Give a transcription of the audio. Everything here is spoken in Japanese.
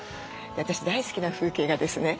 私大好きな風景がですね